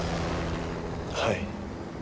はい。